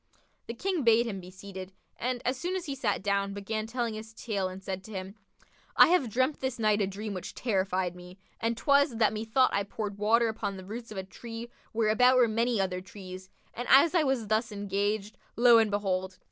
The King bade him be seated; and, as soon as he sat down, began telling his tale and said to him, "I have dreamt this night a dream which terrified me, and 'twas, that methought I poured water upon the roots of a tree where about were many other trees and as I was thus engaged, lo and behold!